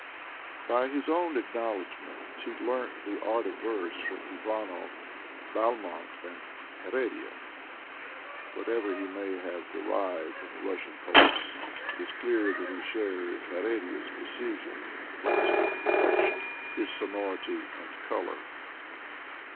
By his own acknowledgment, he learnt the art of verse from Ivanov, Balmont and Her6dia. Whatever he may have de rived from the Russian poets, it is clear that he shares H6redia's precision and plastic perfection, his sonority and color.